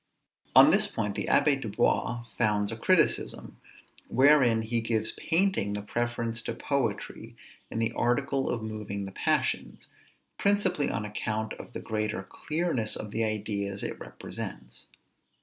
On this the Abbé du Bos founds a criticism, wherein he gives painting the preference to poetry in the article of moving the passions; principally on account of the greater clearness of the ideas it represents.